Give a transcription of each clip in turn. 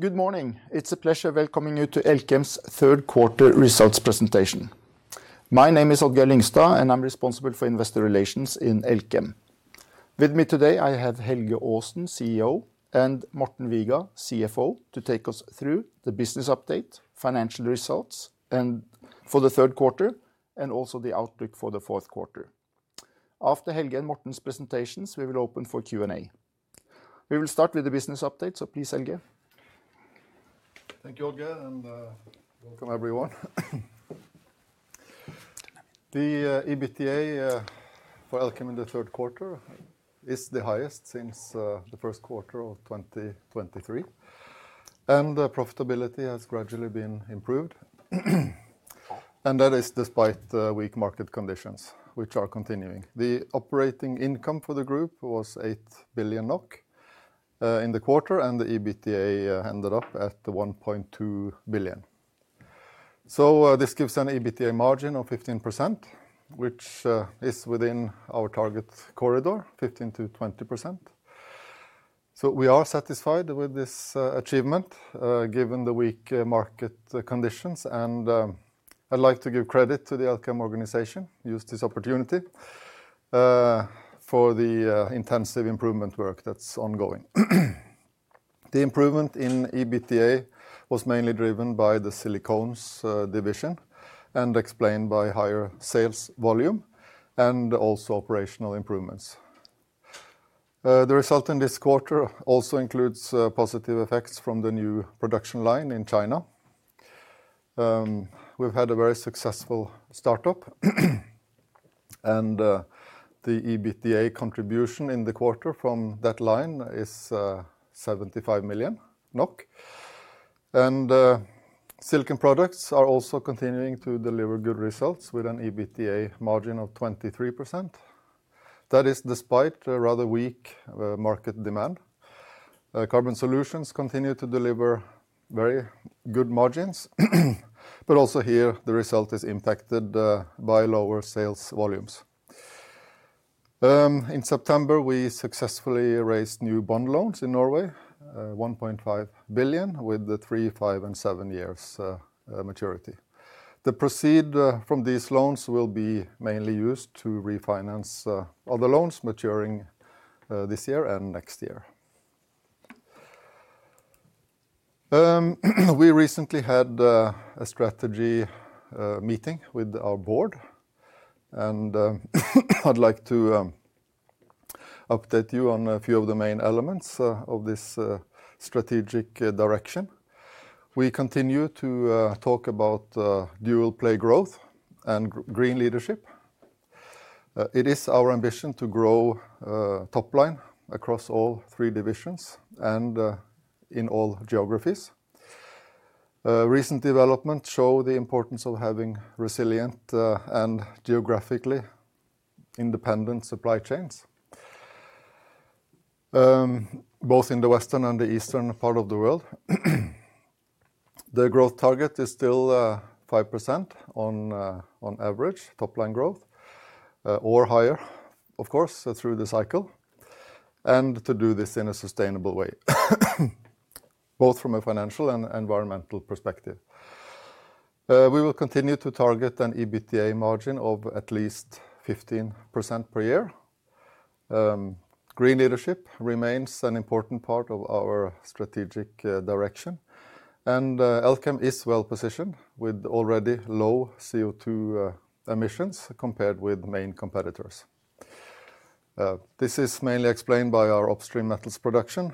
Good morning. It's a pleasure welcoming you to Elkem's third quarter results presentation. My name is Odd-Geir Lyngstad, and I'm responsible for investor relations in Elkem. With me today, I have Helge Aasen, CEO, and Morten Viga, CFO, to take us through the business update, financial results, and for the third quarter, and also the outlook for the fourth quarter. After Helge and Morten's presentations, we will open for Q&A. We will start with the business update, so please, Helge. Thank you, Odd-Geir, and welcome, everyone. The EBITDA for Elkem in the third quarter is the highest since the first quarter of 2023, and the profitability has gradually been improved, and that is despite the weak market conditions, which are continuing. The operating income for the group was 8 billion NOK in the quarter, and the EBITDA ended up at 1.2 billion. So this gives an EBITDA margin of 15%, which is within our target corridor, 15%-20%. So we are satisfied with this achievement given the weak market conditions, and I'd like to give credit to the Elkem organization, use this opportunity for the intensive improvement work that's ongoing. The improvement in EBITDA was mainly driven by the Silicones division, and explained by higher sales volume and also operational improvements. The result in this quarter also includes positive effects from the new production line in China. We've had a very successful startup, and the EBITDA contribution in the quarter from that line is 75 million NOK. And Silicon Products are also continuing to deliver good results with an EBITDA margin of 23%. That is despite a rather weak market demand. Carbon Solutions continue to deliver very good margins, but also here, the result is impacted by lower sales volumes. In September, we successfully raised new bond loans in Norway, 1.5 billion with the three, five, and seven years maturity. The proceeds from these loans will be mainly used to refinance other loans maturing this year and next year. We recently had a strategy meeting with our board, and I'd like to update you on a few of the main elements of this strategic direction. We continue to talk about dual play growth and green leadership. It is our ambition to grow top line across all three divisions and in all geographies. Recent developments show the importance of having resilient and geographically independent supply chains both in the Western and the Eastern part of the world. The growth target is still 5% on average top line growth or higher, of course, through the cycle, and to do this in a sustainable way, both from a financial and environmental perspective. We will continue to target an EBITDA margin of at least 15% per year. Green leadership remains an important part of our strategic direction, and Elkem is well-positioned, with already low CO2 emissions compared with main competitors. This is mainly explained by our upstream metals production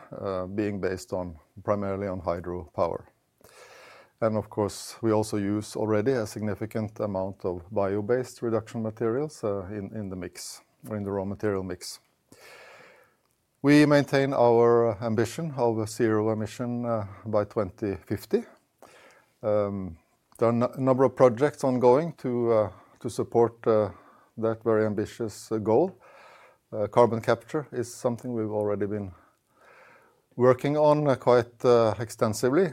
being based primarily on hydropower, and of course we also use already a significant amount of bio-based reduction materials in the mix or in the raw material mix. We maintain our ambition of zero emission by 2050. There are a number of projects ongoing to support that very ambitious goal. Carbon capture is something we've already been working on quite extensively.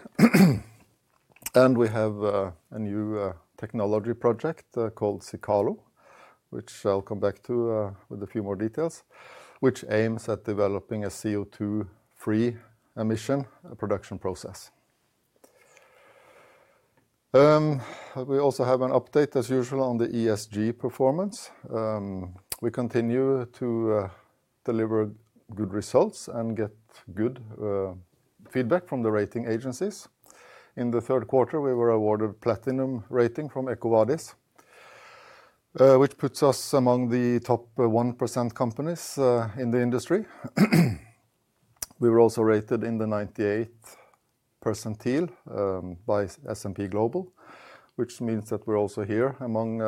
We have a new technology project called Sicalo, which I'll come back to with a few more details, which aims at developing a CO2-free emission production process. We also have an update, as usual, on the ESG performance. We continue to deliver good results and get good feedback from the rating agencies. In the third quarter, we were awarded platinum rating from EcoVadis, which puts us among the top 1% companies in the industry. We were also rated in the 98th percentile by S&P Global, which means that we're also here among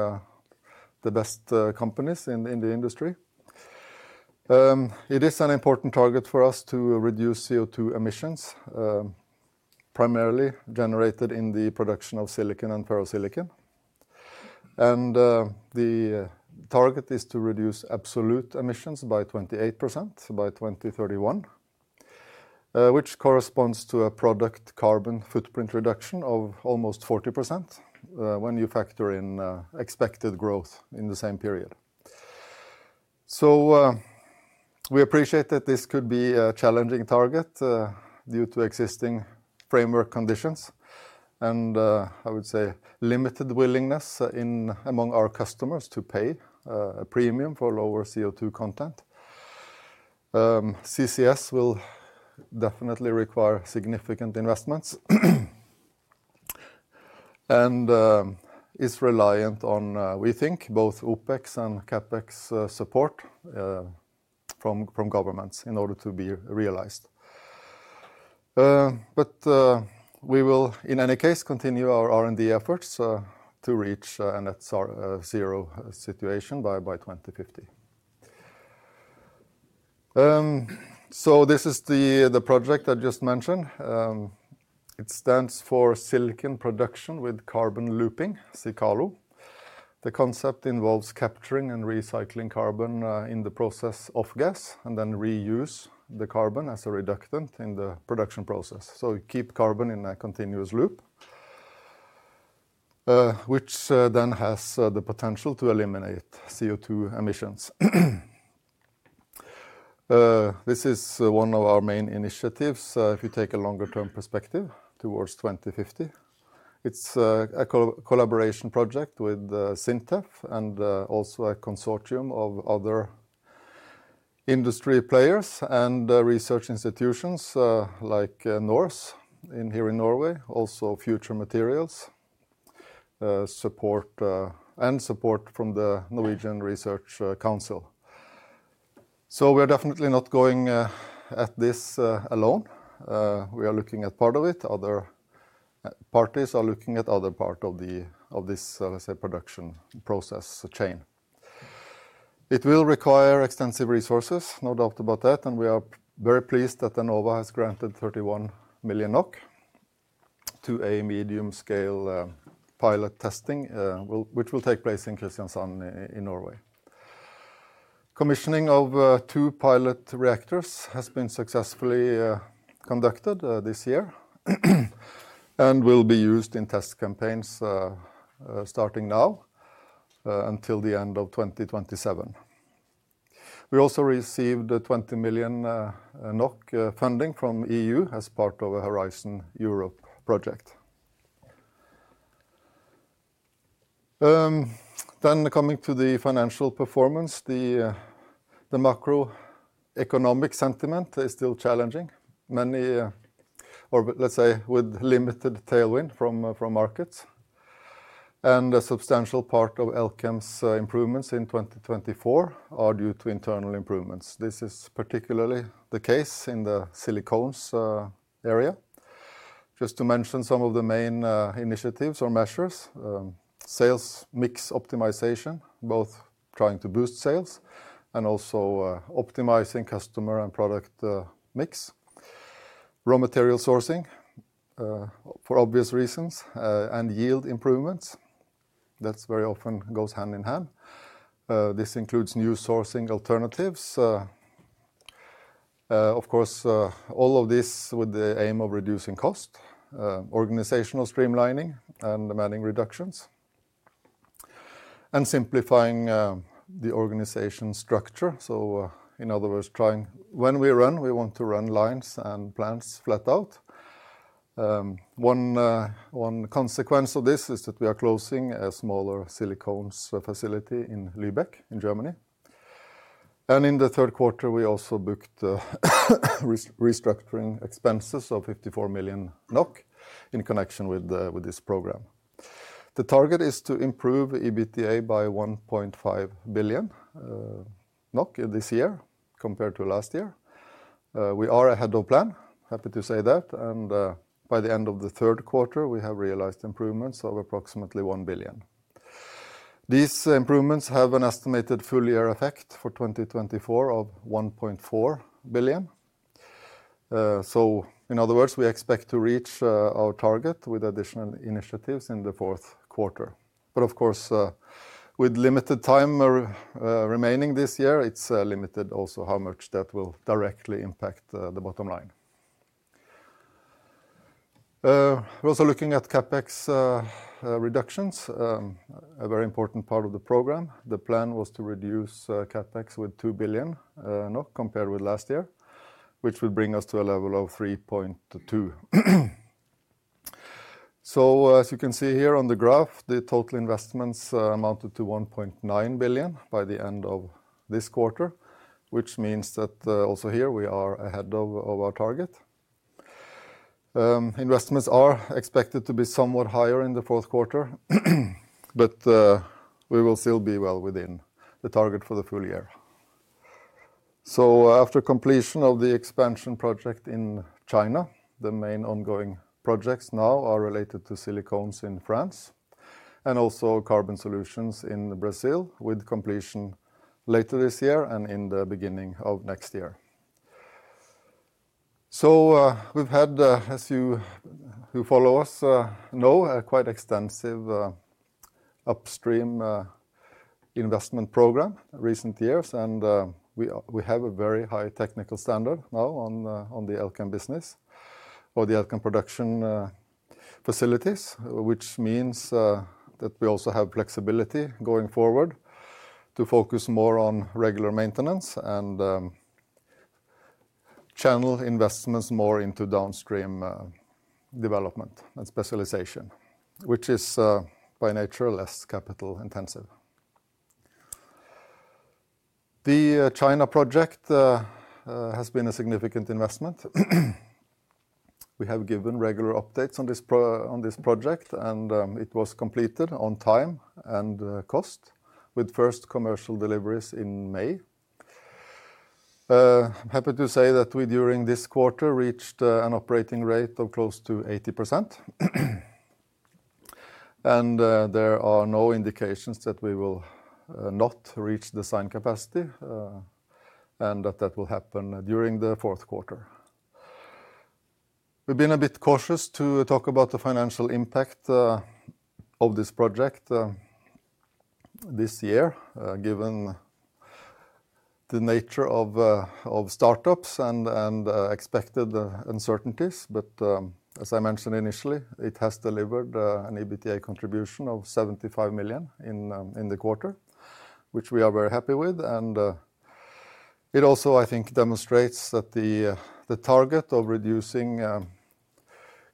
the best companies in the industry. It is an important target for us to reduce CO2 emissions, primarily generated in the production of silicon and ferrosilicon, and the target is to reduce absolute emissions by 28% by 2031, which corresponds to a product carbon footprint reduction of almost 40%, when you factor in expected growth in the same period. So we appreciate that this could be a challenging target, due to existing framework conditions and, I would say, limited willingness in among our customers to pay a premium for lower CO2 content. CCS will definitely require significant investments, and is reliant on, we think, both OpEx and CapEx support from governments in order to be realized. But we will, in any case, continue our R&D efforts to reach a net zero situation by 2050. So this is the project I just mentioned. It stands for Silicon Production with Carbon Looping, Sicalo. The concept involves capturing and recycling carbon in the process off-gas, and then reuse the carbon as a reductant in the production process. So we keep carbon in a continuous loop, which then has the potential to eliminate CO2 emissions. This is one of our main initiatives if you take a longer-term perspective towards 2050. It's a collaboration project with SINTEF and also a consortium of other industry players and research institutions, like NORCE here in Norway, also Future Materials support. And support from the Norwegian Research Council. So we're definitely not going at this alone. We are looking at part of it. Other parties are looking at other part of this production process chain. It will require extensive resources, no doubt about that, and we are very pleased that the Enova has granted 31 million NOK to a medium-scale pilot testing which will take place in Kristiansand in Norway. Commissioning of two pilot reactors has been successfully conducted this year, and will be used in test campaigns starting now until the end of 2027. We also received 20 million NOK funding from EU as part of a Horizon Europe project. Then coming to the financial performance, the macroeconomic sentiment is still challenging. Many... Or let's say, with limited tailwind from markets. And a substantial part of Elkem's improvements in 2024 are due to internal improvements. This is particularly the case in the silicones area. Just to mention some of the main initiatives or measures: sales mix optimization, both trying to boost sales and also optimizing customer and product mix. Raw material sourcing, for obvious reasons, and yield improvements. That very often goes hand in hand. This includes new sourcing alternatives. Of course, all of this with the aim of reducing cost, organizational streamlining, and manning reductions, and simplifying the organization structure. So, in other words, when we run, we want to run lines and plants flat out. One consequence of this is that we are closing a smaller silicones facility in Lübeck in Germany. And in the third quarter, we also booked restructuring expenses of 54 million NOK in connection with this program. The target is to improve EBITDA by 1.5 billion NOK this year compared to last year. We are ahead of plan, happy to say that, and by the end of the third quarter, we have realized improvements of approximately 1 billion. These improvements have an estimated full-year effect for 2024 of 1.4 billion. So in other words, we expect to reach our target with additional initiatives in the fourth quarter. But of course, with limited time remaining this year, it's limited also how much that will directly impact the bottom line. We're also looking at CapEx reductions, a very important part of the program. The plan was to reduce CapEx with 2 billion compared with last year, which will bring us to a level of 3.2, so as you can see here on the graph, the total investments amounted to 1.9 billion by the end of this quarter, which means that also here we are ahead of our target. Investments are expected to be somewhat higher in the fourth quarter, but we will still be well within the target for the full year, so after completion of the expansion project in China, the main ongoing projects now are related to silicones in France, and also carbon solutions in Brazil, with completion later this year and in the beginning of next year. We've had, as you who follow us know, a quite extensive upstream investment program recent years, and we have a very high technical standard now on the Elkem business or the Elkem production facilities, which means that we also have flexibility going forward to focus more on regular maintenance and channel investments more into downstream development and specialization, which is by nature less capital-intensive. The China project has been a significant investment. We have given regular updates on this project, and it was completed on time and cost, with first commercial deliveries in May. I'm happy to say that we during this quarter reached an operating rate of close to 80%. There are no indications that we will not reach the same capacity, and that will happen during the fourth quarter. We've been a bit cautious to talk about the financial impact of this project this year, given the nature of startups and expected uncertainties. As I mentioned initially, it has delivered an EBITDA contribution of 75 million in the quarter, which we are very happy with, and it also, I think, demonstrates that the target of reducing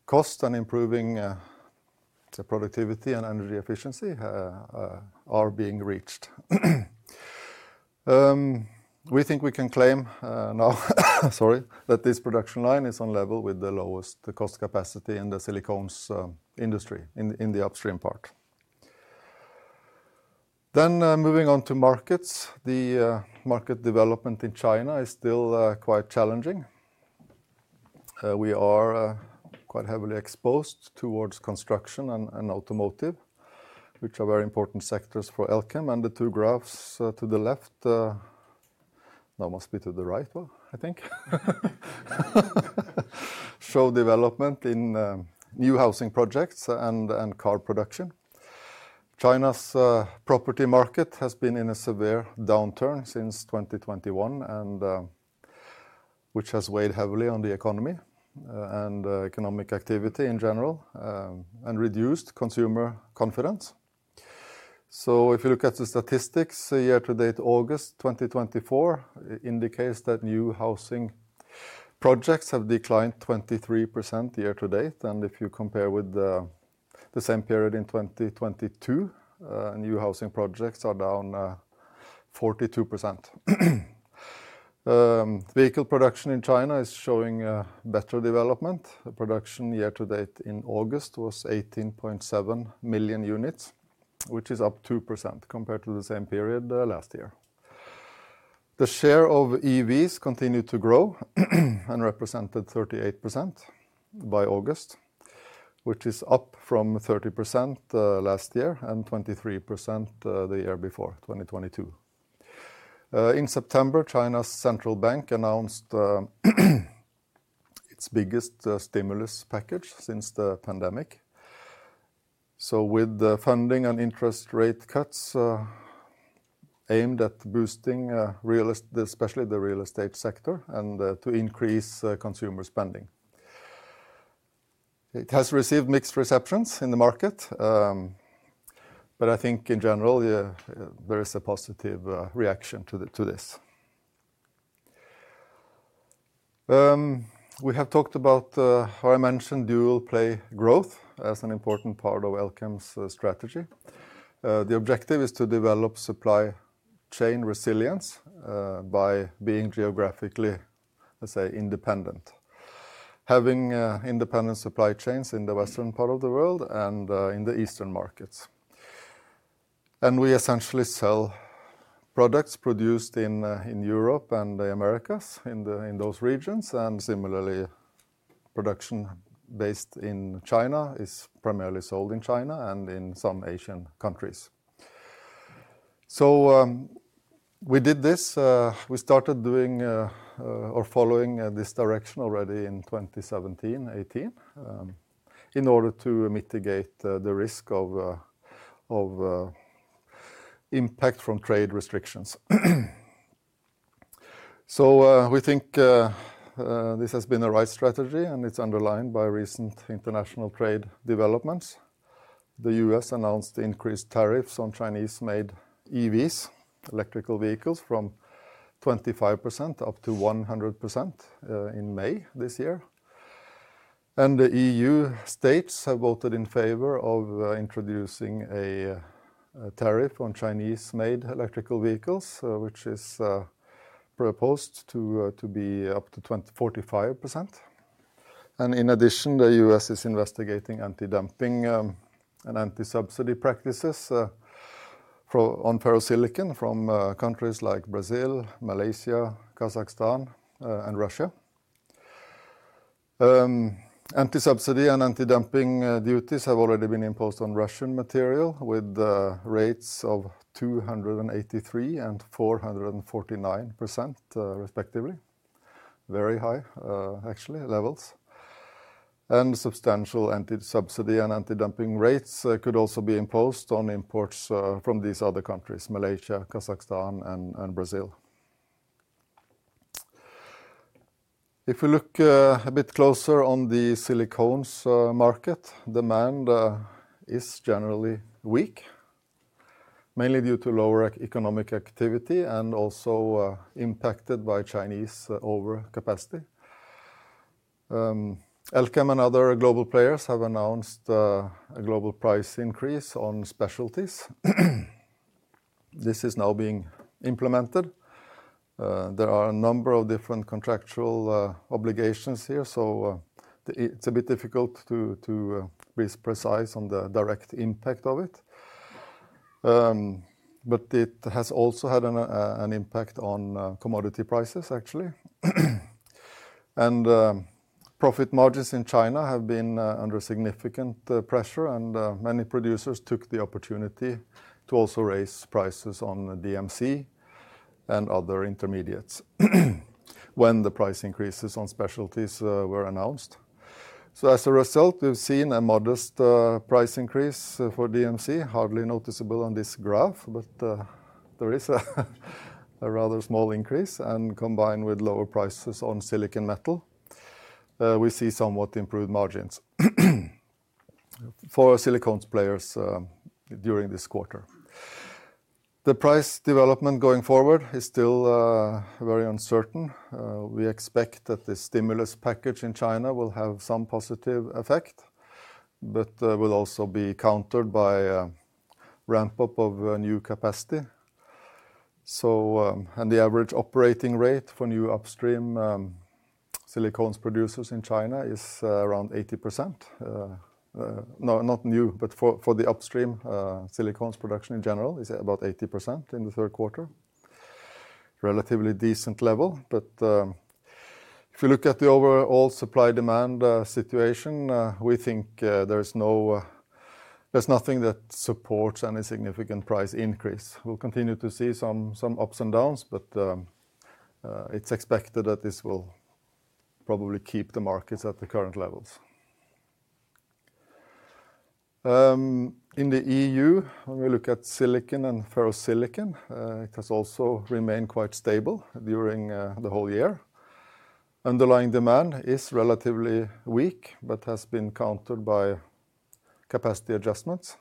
cost and improving the productivity and energy efficiency are being reached. We think we can claim now, sorry, that this production line is on level with the lowest-cost capacity in the silicones industry, in the upstream part. Moving on to markets. The market development in China is still quite challenging. We are quite heavily exposed towards construction and automotive, which are very important sectors for Elkem, and the two graphs to the left... no, it must be to the right one, I think. Show development in new housing projects and car production. China's property market has been in a severe downturn since 2021, and which has weighed heavily on the economy and economic activity in general and reduced consumer confidence. So if you look at the statistics, year to date, August 2024, indicates that new housing projects have declined 23% year to date. And if you compare with the same period in 2022, new housing projects are down 42%. Vehicle production in China is showing better development. The production year to date in August was 18.7 million units, which is up 2% compared to the same period last year. The share of EVs continued to grow and represented 38% by August, which is up from 30% last year, and 23% the year before, 2022. In September, China's Central Bank announced its biggest stimulus package since the pandemic. With the funding and interest rate cuts aimed at boosting especially the real estate sector, and to increase consumer spending. It has received mixed reception in the market, but I think in general, yeah, there is a positive reaction to this. We have talked about how I mentioned dual play growth as an important part of Elkem's strategy. The objective is to develop supply chain resilience by being geographically, let's say, independent. Having independent supply chains in the western part of the world and in the eastern markets. We essentially sell products produced in Europe and the Americas, in those regions, and similarly, production based in China is primarily sold in China and in some Asian countries. We did this. We started doing or following this direction already in 2017, 2018, in order to mitigate the risk of impact from trade restrictions. We think this has been the right strategy, and it's underlined by recent international trade developments. The U.S. announced increased tariffs on Chinese-made EVs, electrical vehicles, from 25% up to 100%, in May this year. The E.U. states have voted in favor of introducing a tariff on Chinese-made electric vehicles, which is proposed to be up to 45%. In addition, the U.S. is investigating anti-dumping and anti-subsidy practices on ferrosilicon from countries like Brazil, Malaysia, Kazakhstan, and Russia. Anti-subsidy and anti-dumping duties have already been imposed on Russian material, with rates of 283% and 449%, respectively. Very high, actually, levels. Substantial anti-subsidy and anti-dumping rates could also be imposed on imports from these other countries: Malaysia, Kazakhstan, and Brazil. If we look a bit closer on the silicones market, demand is generally weak, mainly due to lower economic activity and also impacted by Chinese overcapacity. Elkem and other global players have announced a global price increase on specialties. This is now being implemented. There are a number of different contractual obligations here, so it is a bit difficult to be precise on the direct impact of it, but it has also had an impact on commodity prices, actually, and profit margins in China have been under significant pressure, and many producers took the opportunity to also raise prices on DMC and other intermediates, when the price increases on specialties were announced. So as a result, we've seen a modest price increase for DMC, hardly noticeable on this graph, but there is a rather small increase, and combined with lower prices on silicon metal, we see somewhat improved margins for silicones players during this quarter. The price development going forward is still very uncertain. We expect that the stimulus package in China will have some positive effect, but will also be countered by a ramp-up of new capacity. So and the average operating rate for new upstream silicones producers in China is around 80%. No, not new, but for the upstream silicones production in general is about 80% in the third quarter. Relatively decent level, but if you look at the overall supply-demand situation, we think there is no... There's nothing that supports any significant price increase. We'll continue to see some ups and downs, but it's expected that this will probably keep the markets at the current levels. In the E.U., when we look at silicon and ferrosilicon, it has also remained quite stable during the whole year. Underlying demand is relatively weak, but has been countered by capacity adjustments.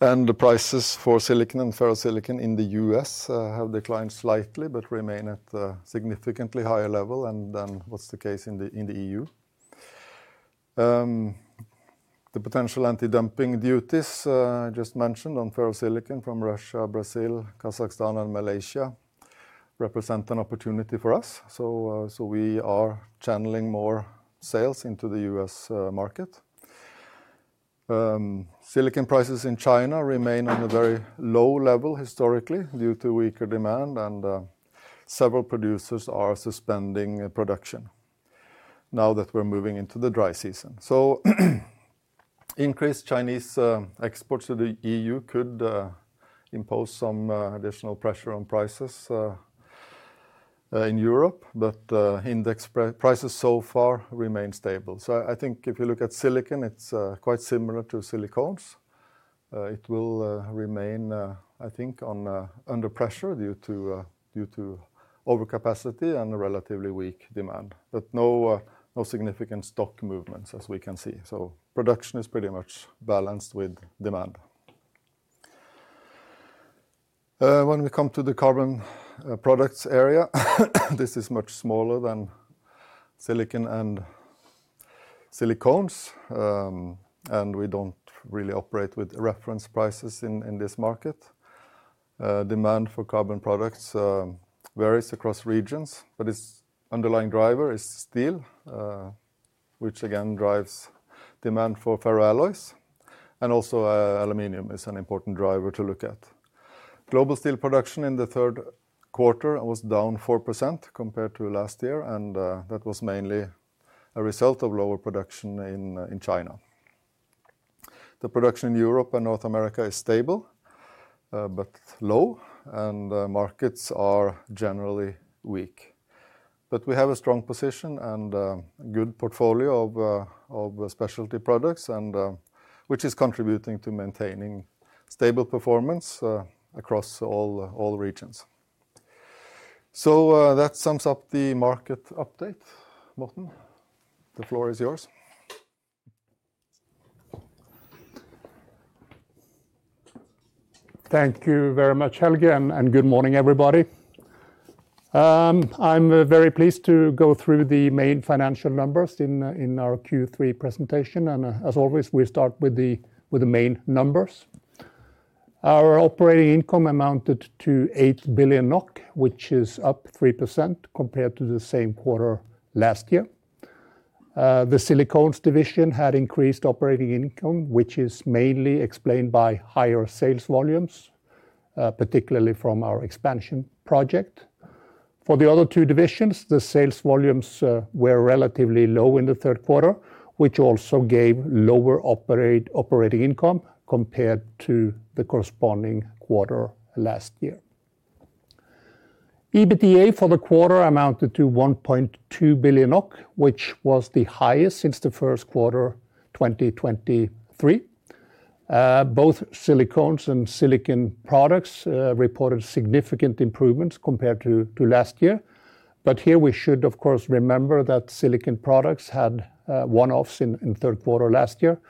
And the prices for silicon and ferrosilicon in the U.S. have declined slightly, but remain at a significantly higher level, and what's the case in the E.U. The potential anti-dumping duties I just mentioned on ferrosilicon from Russia, Brazil, Kazakhstan, and Malaysia represent an opportunity for us, so we are channeling more sales into the U.S. market. Silicon prices in China remain at a very low level historically, due to weaker demand, and several producers are suspending production now that we're moving into the dry season. Increased Chinese exports to the EU could impose some additional pressure on prices in Europe, but index prices so far remain stable. I think if you look at silicon, it's quite similar to silicones. It will remain, I think, under pressure due to overcapacity and a relatively weak demand, but no significant stock movements as we can see. Production is pretty much balanced with demand. When we come to the carbon products area, this is much smaller than silicon and silicones, and we don't really operate with reference prices in this market. Demand for carbon products varies across regions, but its underlying driver is steel, which again drives demand for ferroalloys, and also, aluminum is an important driver to look at. Global steel production in the third quarter was down 4% compared to last year, and that was mainly a result of lower production in China. The production in Europe and North America is stable, but low, and markets are generally weak. But we have a strong position and a good portfolio of specialty products, and which is contributing to maintaining stable performance across all regions. So, that sums up the market update. Morten, the floor is yours. Thank you very much, Helge, and good morning, everybody. I'm very pleased to go through the main financial numbers in our Q3 presentation, and as always, we start with the main numbers. Our operating income amounted to 8 billion NOK, which is up 3% compared to the same quarter last year. The silicones division had increased operating income, which is mainly explained by higher sales volumes, particularly from our expansion project. For the other two divisions, the sales volumes were relatively low in the third quarter, which also gave lower operating income compared to the corresponding quarter last year. EBITDA for the quarter amounted to 1.2 billion, which was the highest since the first quarter, 2023, both silicones and silicon products reported significant improvements compared to last year. But here we should, of course, remember that Silicon Products had one-offs in the third quarter last year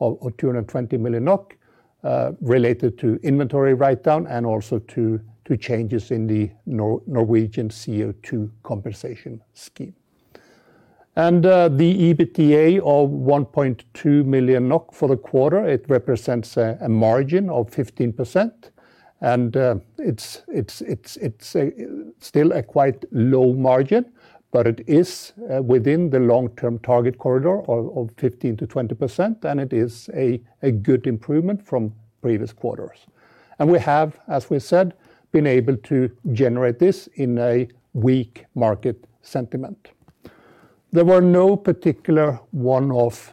of 220 million NOK related to inventory write-down and also to changes in the Norwegian CO2 compensation scheme. And the EBITDA of 1.2 million NOK for the quarter, it represents a margin of 15%. And it's still a quite low margin, but it is within the long-term target corridor of 15%-20%, and it is a good improvement from previous quarters. And we have, as we said, been able to generate this in a weak market sentiment. There were no particular one-off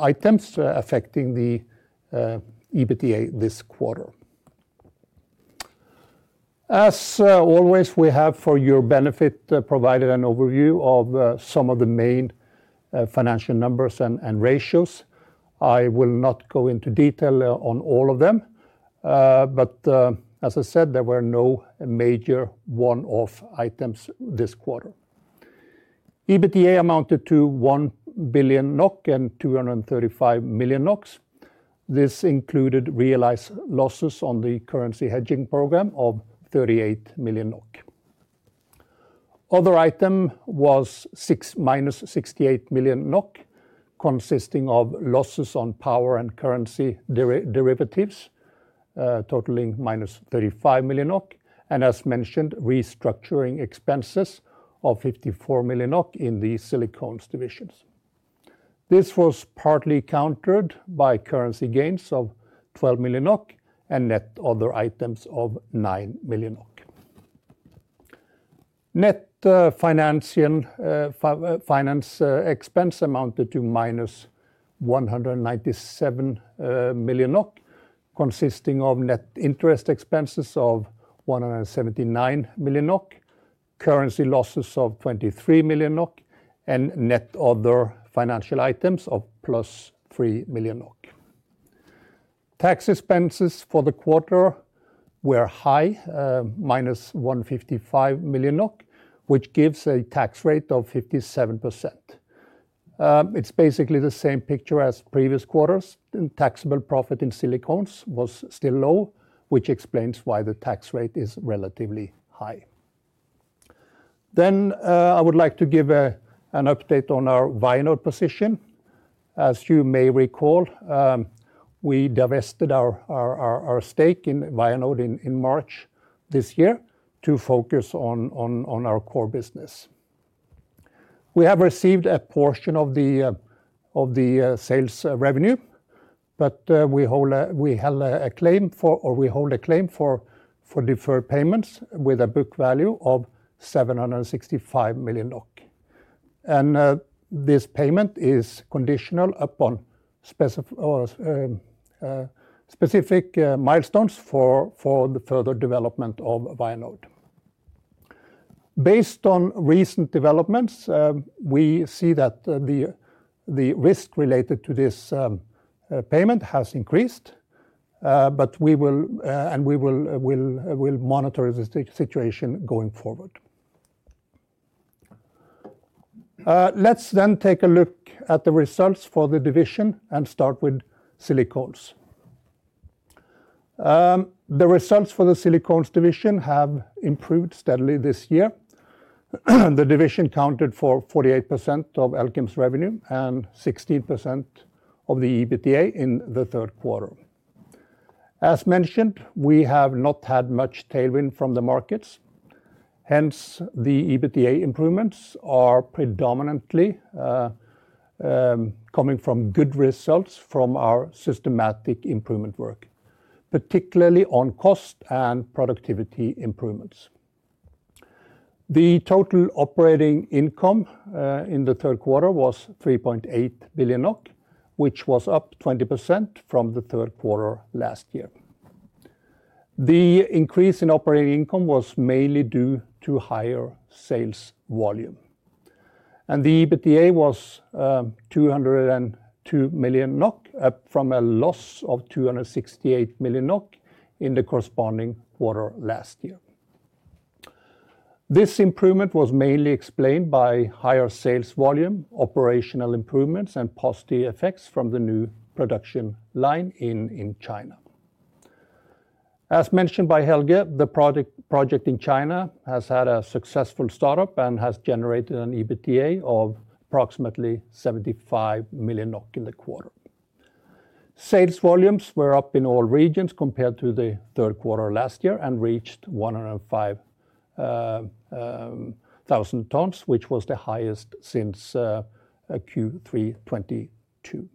items affecting the EBITDA this quarter. As always, we have, for your benefit, provided an overview of some of the main financial numbers and ratios. I will not go into detail on all of them, but as I said, there were no major one-off items this quarter. EBITDA amounted to 1 billion NOK and 235 million. This included realized losses on the currency hedging program of 38 million NOK. Other items was -68 million NOK, consisting of losses on power and currency derivatives, totaling -35 million, and as mentioned, restructuring expenses of 54 million in the silicones divisions. This was partly countered by currency gains of 12 million NOK and net other items of 9 million NOK Net financial expense amounted to -197 million NOK consisting of net interest expenses of 179 million NOK, currency losses of 23 million NOK, and net other financial items of +3 million NOK. Tax expenses for the quarter were high, NOK -155 million, which gives a tax rate of 57%. It's basically the same picture as previous quarters, and taxable profit in Silicones was still low, which explains why the tax rate is relatively high. Then I would like to give an update on our Vianode position. As you may recall, we divested our stake in Vianode in March this year to focus on our core business. We have received a portion of the sales revenue, but we hold a claim for deferred payments with a book value of 765 million NOK. And this payment is conditional upon specific milestones for the further development of Vianode. Based on recent developments, we see that the risk related to this payment has increased, but we will monitor the situation going forward. Let's then take a look at the results for the division and start with Silicones. The results for the Silicones division have improved steadily this year. The division accounted for 48% of Elkem's revenue and 16% of the EBITDA in the third quarter. As mentioned, we have not had much tailwind from the markets, hence, the EBITDA improvements are predominantly coming from good results from our systematic improvement work, particularly on cost and productivity improvements. The total operating income in the third quarter was 3.8 billion NOK, which was up 20% from the third quarter last year. The increase in operating income was mainly due to higher sales volume. The EBITDA was 202 million NOK, up from a loss of 268 million NOK in the corresponding quarter last year. This improvement was mainly explained by higher sales volume, operational improvements, and positive effects from the new production line in China. As mentioned by Helge, the project in China has had a successful startup and has generated an EBITDA of approximately 75 million NOK in the quarter. Sales volumes were up in all regions compared to the third quarter last year and reached 105,000 tons, which was the highest since Q3 2022.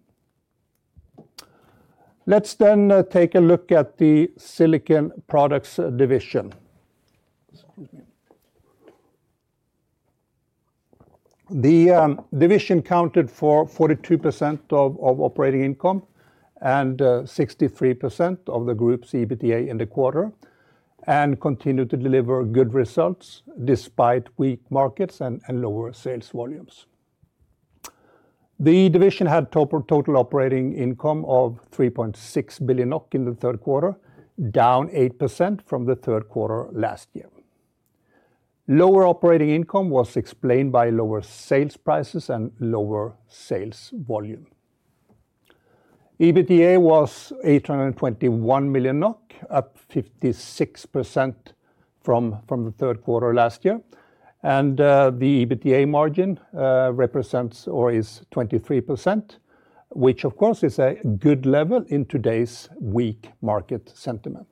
Let's then take a look at the Silicon Products division. The division accounted for 42% of operating income and 63% of the group's EBITDA in the quarter and continue to deliver good results despite weak markets and lower sales volumes. The division had total operating income of 3.6 billion NOK in the third quarter, down 8% from the third quarter last year. Lower operating income was explained by lower sales prices and lower sales volume. EBITDA was 821 million NOK, up 56% from the third quarter last year, and the EBITDA margin represents or is 23%, which, of course, is a good level in today's weak market sentiment.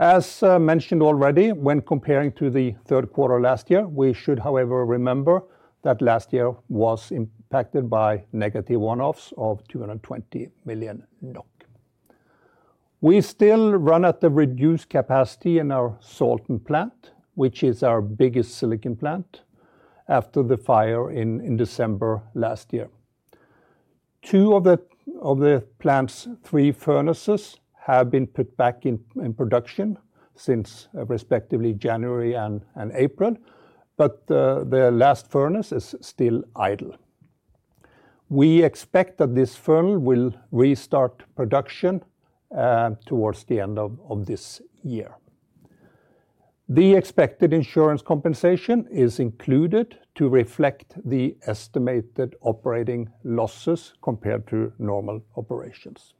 As mentioned already, when comparing to the third quarter last year, we should, however, remember that last year was impacted by negative one-offs of 220 million NOK. We still run at the reduced capacity in our Salten plant, which is our biggest silicon plant, after the fire in December last year. Two of the plant's three furnaces have been put back in production since respectively January and April, but the last furnace is still idle. We expect that this furnace will restart production towards the end of this year. The expected insurance compensation is included to reflect the estimated operating losses compared to normal operations.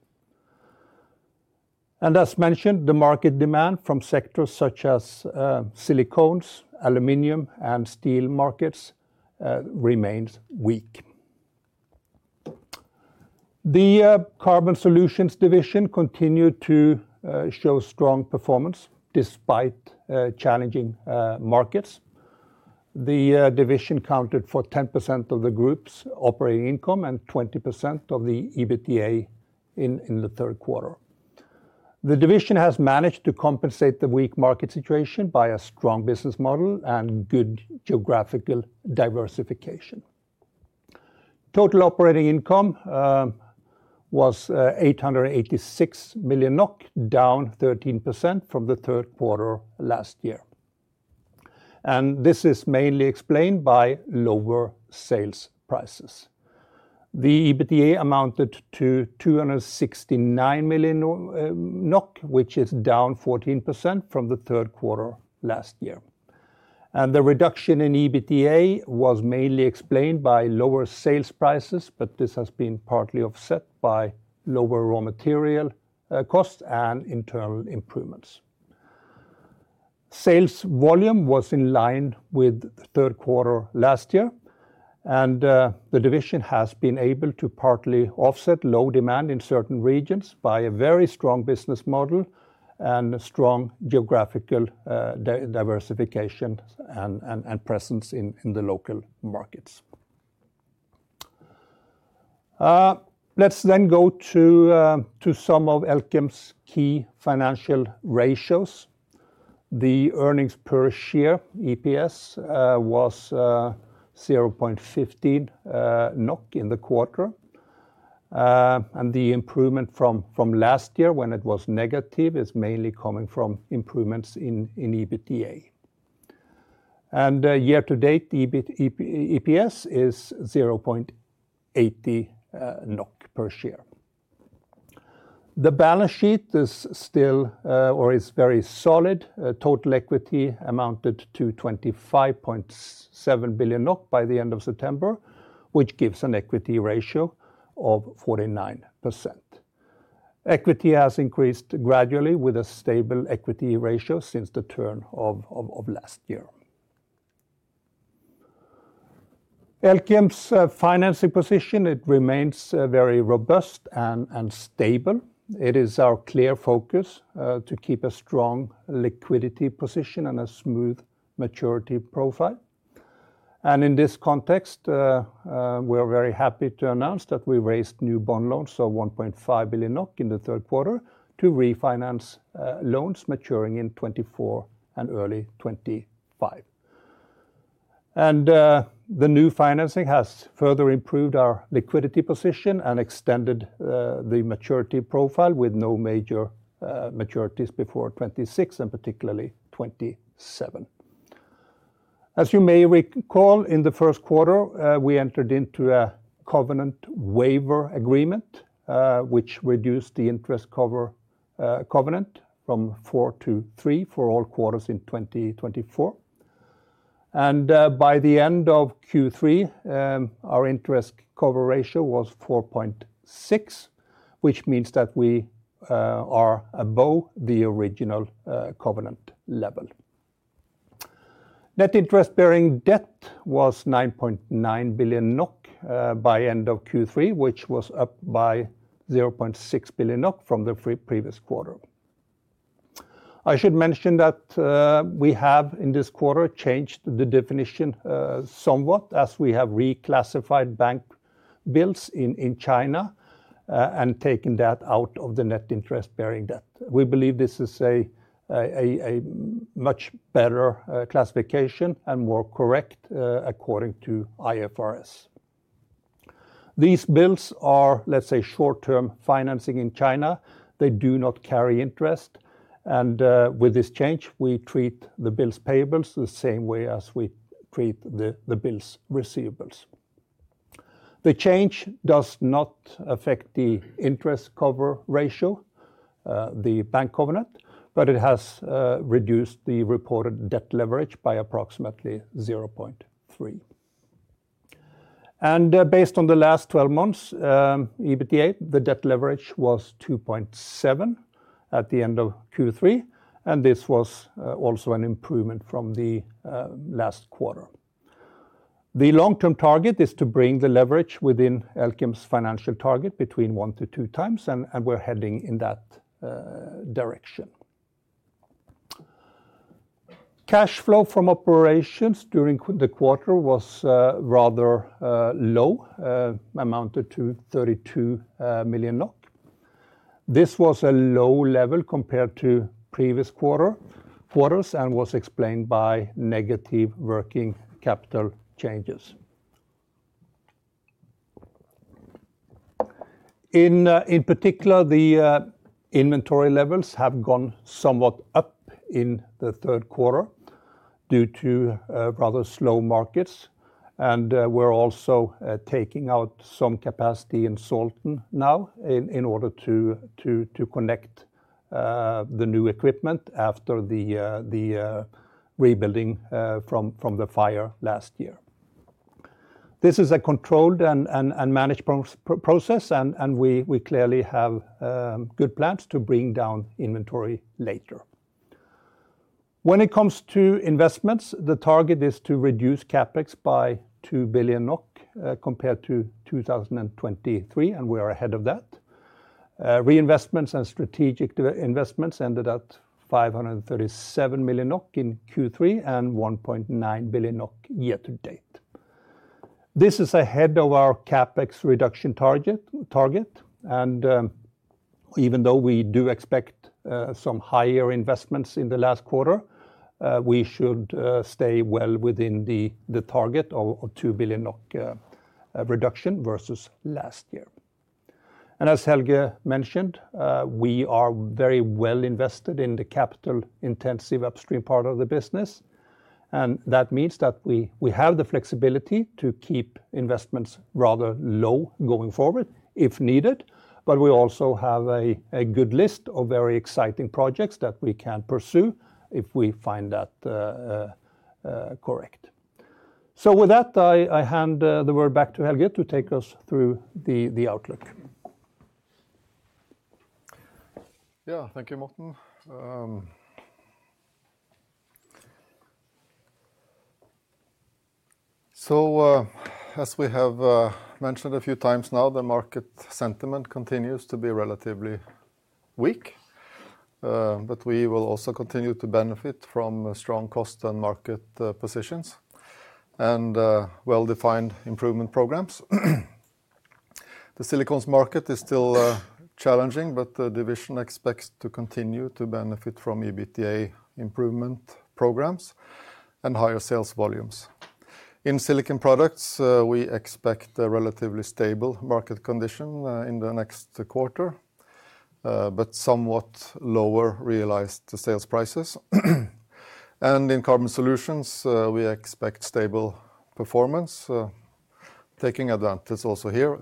And as mentioned, the market demand from sectors such as silicones, aluminum, and steel markets remains weak. The Carbon Solutions division continued to show strong performance despite challenging markets. The division accounted for 10% of the group's operating income and 20% of the EBITDA in the third quarter. The division has managed to compensate the weak market situation by a strong business model and good geographical diversification. Total operating income was 886 million NOK, down 13% from the third quarter last year, and this is mainly explained by lower sales prices. The EBITDA amounted to 269 million NOK, which is down 14% from the third quarter last year. The reduction in EBITDA was mainly explained by lower sales prices, but this has been partly offset by lower raw material costs and internal improvements. Sales volume was in line with the third quarter last year, and the division has been able to partly offset low demand in certain regions by a very strong business model and a strong geographical diversification and presence in the local markets. Let's then go to some of Elkem's key financial ratios. The earnings per share, EPS, was 0.15 NOK in the quarter. And the improvement from last year when it was negative is mainly coming from improvements in EBITDA. Year to date, the EPS is 0.80 NOK per share. The balance sheet is still or is very solid. Total equity amounted to 25.7 billion by the end of September, which gives an equity ratio of 49%. Equity has increased gradually with a stable equity ratio since the turn of last year. Elkem's financing position, it remains very robust and stable. It is our clear focus to keep a strong liquidity position and a smooth maturity profile. In this context, we are very happy to announce that we raised new bond loans, so 1.5 billion NOK in the third quarter, to refinance loans maturing in 2024 and early 2025. The new financing has further improved our liquidity position and extended the maturity profile with no major maturities before 2026 and particularly 2027. As you may recall, in the first quarter, we entered into a covenant waiver agreement, which reduced the interest cover covenant from 4 to 3 for all quarters in 2024. And, by the end of Q3, our interest cover ratio was 4.6, which means that we are above the original covenant level. Net interest bearing debt was 9.9 billion NOK by end of Q3, which was up by 0.6 billion NOK from the pre-previous quarter. I should mention that we have, in this quarter, changed the definition somewhat as we have reclassified bank bills in China and taken that out of the net interest bearing debt. We believe this is a much better classification and more correct according to IFRS. These bills are, let's say, short-term financing in China. They do not carry interest, and with this change, we treat the bills payables the same way as we treat the bills receivables. The change does not affect the interest cover ratio, the bank covenant, but it has reduced the reported debt leverage by approximately 0.3. Based on the last twelve months EBITDA, the debt leverage was 2.7 at the end of Q3, and this was also an improvement from the last quarter. The long-term target is to bring the leverage within Elkem's financial target between 1x-2x, and we're heading in that direction. Cash flow from operations during the quarter was rather low, amounted to 32 million NOK. This was a low level compared to previous quarters and was explained by negative working capital changes. In particular, the inventory levels have gone somewhat up in the third quarter due to rather slow markets, and we're also taking out some capacity in Salten now in order to connect the new equipment after the rebuilding from the fire last year. This is a controlled and managed process, and we clearly have good plans to bring down inventory later. When it comes to investments, the target is to reduce CapEx by 2 billion NOK compared to 2023, and we are ahead of that. Reinvestments and strategic de-investments ended at 537 million NOK in Q3 and 1.9 billion NOK year to date. This is ahead of our CapEx reduction target, and even though we do expect some higher investments in the last quarter, we should stay well within the target of 2 billion NOK reduction versus last year. And as Helge mentioned, we are very well invested in the capital-intensive upstream part of the business, and that means that we have the flexibility to keep investments rather low going forward, if needed, but we also have a good list of very exciting projects that we can pursue if we find that correct. So with that, I hand the word back to Helge to take us through the outlook. Yeah, thank you, Morten. So, as we have mentioned a few times now, the market sentiment continues to be relatively weak, but we will also continue to benefit from strong cost and market positions and well-defined improvement programs. The silicones market is still challenging, but the division expects to continue to benefit from EBITDA improvement programs and higher sales volumes. In Silicon Products, we expect a relatively stable market condition in the next quarter, but somewhat lower realized sales prices. And in Carbon Solutions, we expect stable performance, taking advantage also here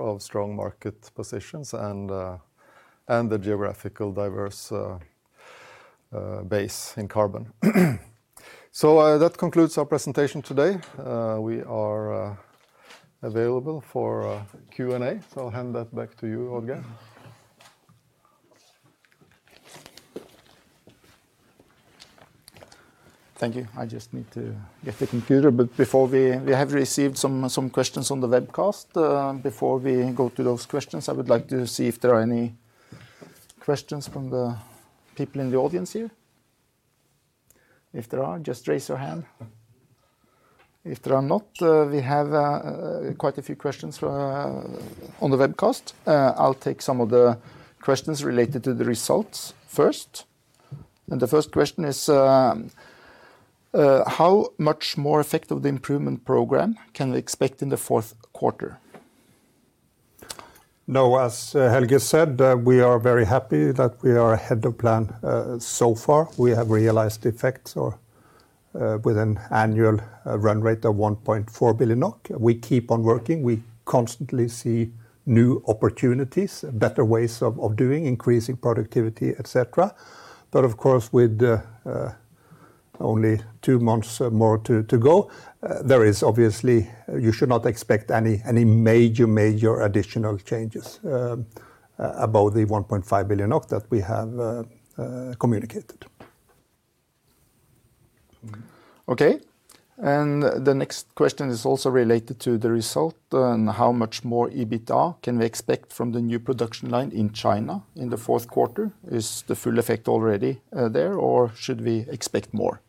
of strong market positions and the geographically diverse base in carbon. So, that concludes our presentation today. We are available for Q&A, so I'll hand that back to you, Olga. Thank you. I just need to get the computer, but before we go to those questions, we have received some questions on the webcast. Before we go to those questions, I would like to see if there are any questions from the people in the audience here. If there are, just raise your hand. If there are not, we have quite a few questions on the webcast. I'll take some of the questions related to the results first, and the first question is: "How much more effect of the improvement program can we expect in the fourth quarter? No, as Helge said, we are very happy that we are ahead of plan. So far, we have realized effects or with an annual run rate of 1.4 billion NOK. We keep on working. We constantly see new opportunities, better ways of doing, increasing productivity, et cetera. But of course, with only two months more to go, there is obviously, you should not expect any major additional changes above the 1.5 billion that we have communicated. Okay, and the next question is also related to the result and: "How much more EBITDA can we expect from the new production line in China in the fourth quarter? Is the full effect already there, or should we expect more?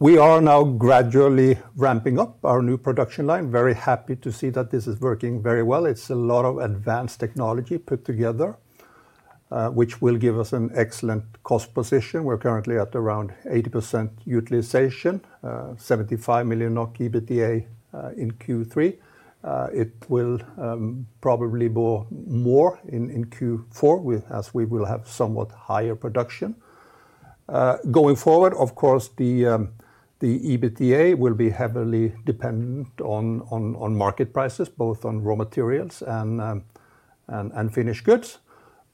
We are now gradually ramping up our new production line. Very happy to see that this is working very well. It's a lot of advanced technology put together, which will give us an excellent cost position. We're currently at around 80% utilization, 75 million NOK. EBITDA, in Q3. It will probably more in Q4 as we will have somewhat higher production. Going forward, of course, the EBITDA will be heavily dependent on market prices, both on raw materials and finished goods.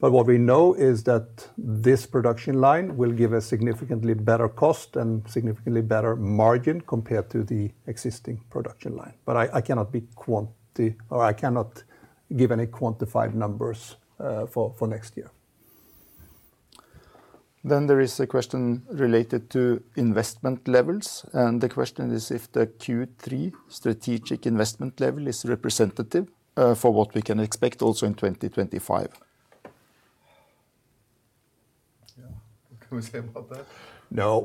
But what we know is that this production line will give a significantly better cost and significantly better margin compared to the existing production line. But I cannot give any quantified numbers for next year. Then there is a question related to investment levels, and the question is if the Q3 strategic investment level is representative for what we can expect also in 2025? Yeah. What can we say about that? No,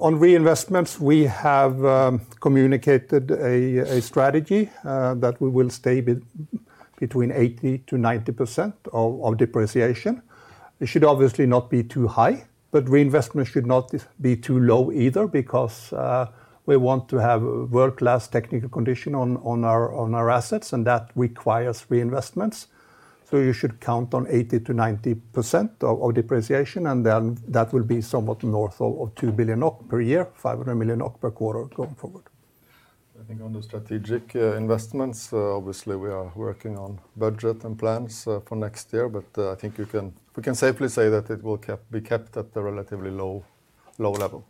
on reinvestments, we have communicated a strategy that we will stay between 80%-90% of depreciation. It should obviously not be too high, but reinvestment should not be too low either, because we want to have a world-class technical condition on our assets, and that requires reinvestments. So you should count on 80%-90% of depreciation, and then that will be somewhat north of 2 billion NOK per year, 500 million NOK per quarter going forward. I think on the strategic investments, obviously we are working on budget and plans for next year, but I think we can safely say that it will be kept at a relatively low level.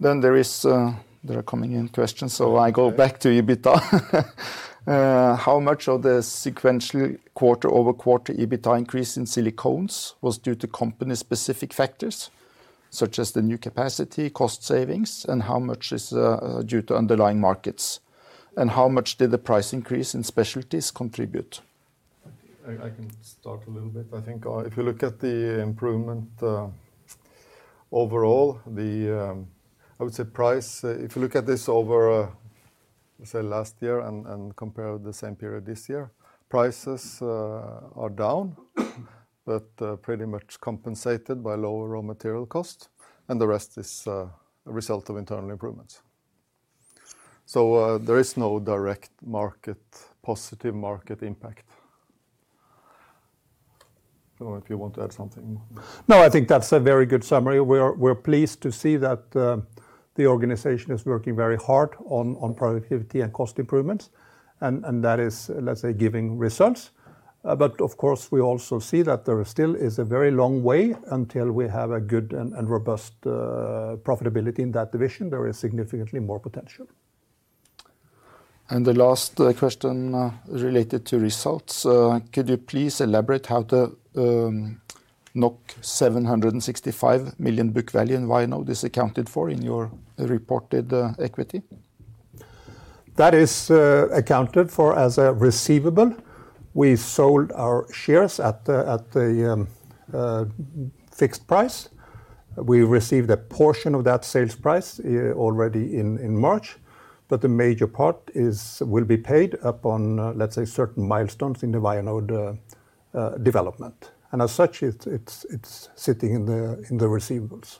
There are questions coming in, so I go back to EBITDA. How much of the sequential quarter-over-quarter EBITDA increase in Silicones was due to company-specific factors, such as the new capacity, cost savings, and how much is due to underlying markets? And how much did the price increase in Specialties contribute? I can start a little bit. I think if you look at the improvement overall, I would say price if you look at this over say last year and compare the same period this year, prices are down, but pretty much compensated by lower raw material costs, and the rest is a result of internal improvements. So there is no direct, positive market impact. I don't know if you want to add something more. No, I think that's a very good summary. We're pleased to see that the organization is working very hard on productivity and cost improvements, and that is, let's say, giving results. But of course, we also see that there still is a very long way until we have a good and robust profitability in that division. There is significantly more potential. The last question related to results: Could you please elaborate how the NOK 765 million book value in Vianode is accounted for in your reported equity? That is accounted for as a receivable. We sold our shares at the fixed price. We received a portion of that sales price already in March, but the major part is will be paid upon, let's say, certain milestones in the Vianode development, and as such, it's sitting in the receivables.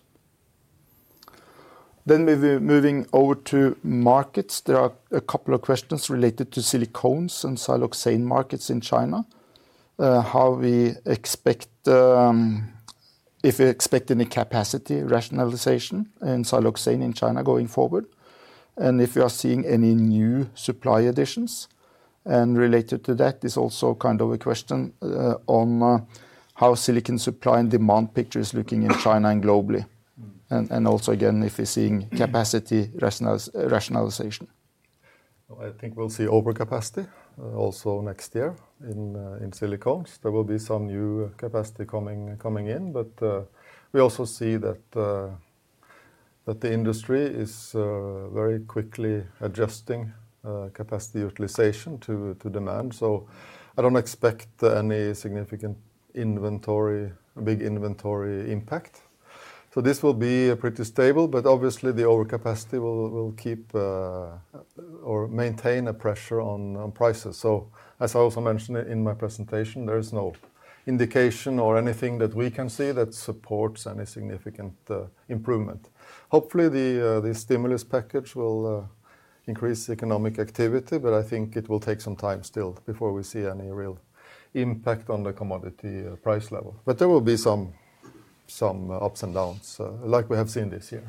Then we'll be moving over to markets. There are a couple of questions related to silicones and siloxane markets in China. If we expect any capacity rationalization in siloxane in China going forward, and if we are seeing any new supply additions? And related to that is also kind of a question on how silicon supply and demand picture is looking in China and globally. And also, again, if you're seeing capacity rationalization. I think we'll see overcapacity also next year in silicones. There will be some new capacity coming in, but we also see that the industry is very quickly adjusting capacity utilization to demand. So I don't expect any significant inventory, a big inventory impact. So this will be pretty stable, but obviously the overcapacity will keep or maintain a pressure on prices. So as I also mentioned in my presentation, there is no indication or anything that we can see that supports any significant improvement. Hopefully, the stimulus package will increase economic activity, but I think it will take some time still before we see any real impact on the commodity price level. But there will be some ups and downs like we have seen this year.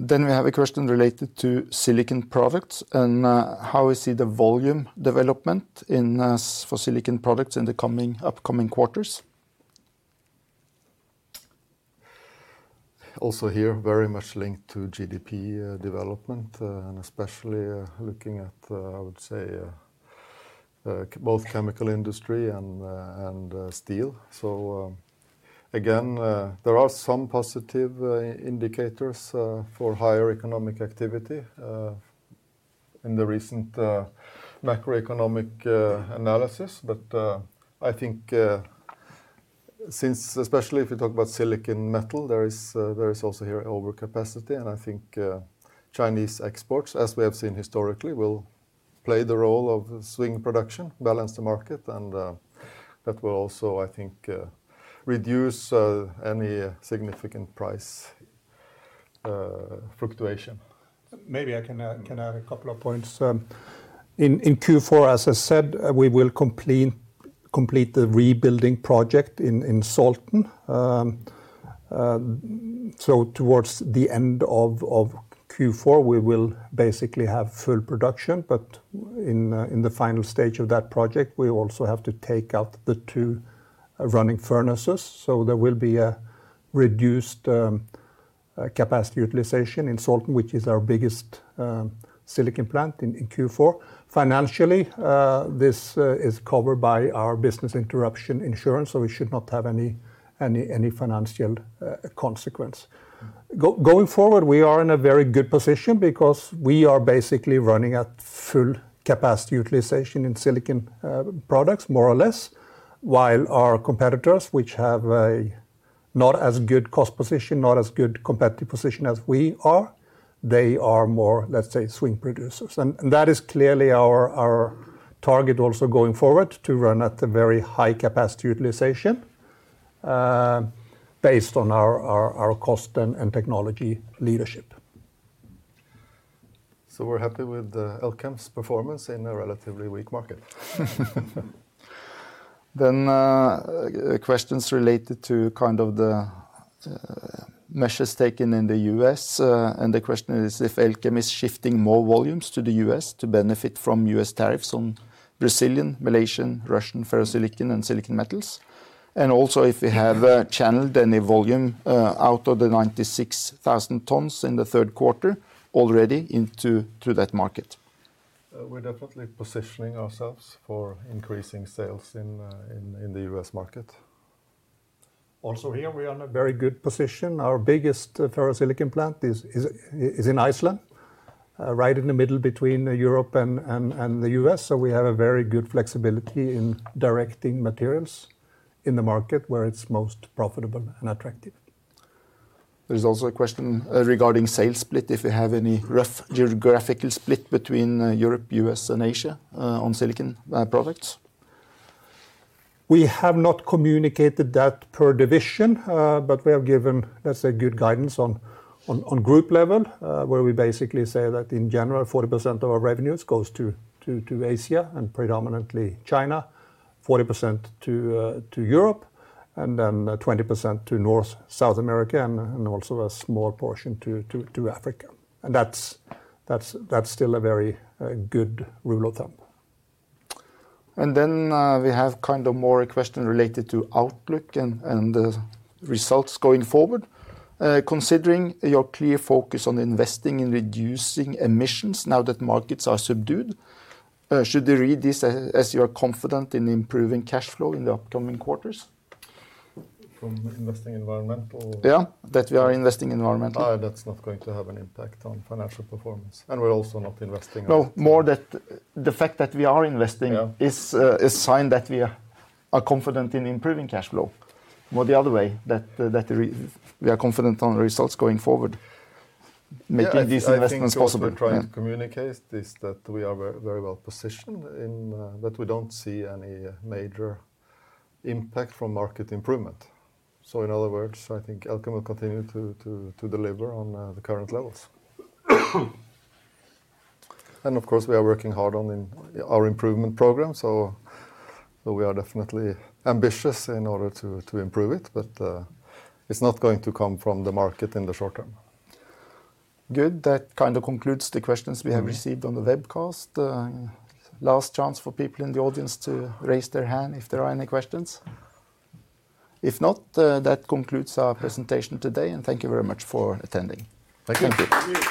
Then we have a question related to Silicon Products and how we see the volume development in Silicon Products in the coming upcoming quarters. Also here, very much linked to GDP development, and especially looking at, I would say, both chemical industry and steel. So, again, there are some positive indicators for higher economic activity in the recent macroeconomic analysis, but I think,... Since, especially if you talk about silicon metal, there is also here overcapacity, and I think Chinese exports, as we have seen historically, will play the role of swing production, balance the market, and that will also, I think, reduce any significant price fluctuation. Maybe I can add a couple of points. In Q4, as I said, we will complete the rebuilding project in Salten, so towards the end of Q4, we will basically have full production, but in the final stage of that project, we also have to take out the two running furnaces, so there will be a reduced capacity utilization in Salten, which is our biggest silicon plant in Q4. Financially, this is covered by our business interruption insurance, so we should not have any financial consequence. Going forward, we are in a very good position because we are basically running at full capacity utilization in Silicon Products, more or less, while our competitors, which have a not as good cost position, not as good competitive position as we are, they are more, let's say, swing producers, and that is clearly our target also going forward, to run at a very high capacity utilization based on our cost and technology leadership. We're happy with Elkem's performance in a relatively weak market. Questions related to kind of the measures taken in the U.S., and the question is if Elkem is shifting more volumes to the U.S. to benefit from U.S. tariffs on Brazilian, Malaysian, Russian ferrosilicon and silicon metals, and also if we have channeled any volume out of the 96,000 tons in the third quarter already into that market. We're definitely positioning ourselves for increasing sales in the U.S. market. Also, here we are in a very good position. Our biggest ferrosilicon plant is in Iceland, right in the middle between Europe and the U.S., so we have a very good flexibility in directing materials in the market where it's most profitable and attractive. There's also a question regarding sales split, if you have any rough geographical split between Europe, U.S., and Asia on silicon products. We have not communicated that per division, but we have given, let's say, good guidance on group level, where we basically say that in general, 40% of our revenues goes to Asia, and predominantly China, 40% to Europe, and then 20% to North, South America, and also a small portion to Africa. And that's still a very good rule of thumb. And then, we have kind of more of a question related to outlook and the results going forward. Considering your clear focus on investing in reducing emissions now that markets are subdued, should we read this as you are confident in improving cash flow in the upcoming quarters? From investing environmental? Yeah, that we are investing environmentally. That's not going to have an impact on financial performance, and we're also not investing- No, more than the fact that we are investing- Yeah... is a sign that we are confident in improving cash flow, or the other way, that we are confident on results going forward. Yeah ... making these investments possible. I think also we're trying to communicate is that we are very, very well positioned and that we don't see any major impact from market improvement. So in other words, I think Elkem will continue to deliver on the current levels. And of course, we are working hard on our improvement program, so we are definitely ambitious in order to improve it. But it's not going to come from the market in the short term. Good. That kind of concludes the questions we have received- Mm-hmm... on the webcast. Last chance for people in the audience to raise their hand if there are any questions. If not, that concludes our presentation today, and thank you very much for attending. Thank you.